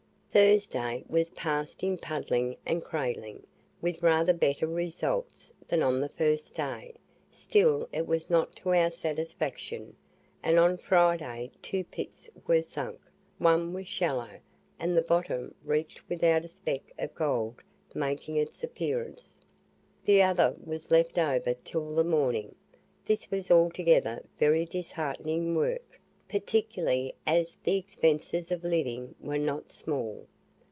Thursday was past in puddling and cradling, with rather better results than on the first day, still it was not to our satisfaction, and on Friday two pits were sunk. One was shallow, and the bottom reached without a speck of gold making its appearance. The other was left over till the next morning. This was altogether very disheartening work, particularly as the expenses of living were not small.